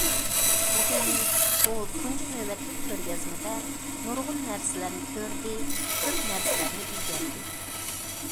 مۇھىمى، ئۇ تۇنجى نۆۋەتلىك كۆرگەزمىدە نۇرغۇن نەرسىلەرنى كۆردى، كۆپ نەرسىلەرنى ئۆگەندى.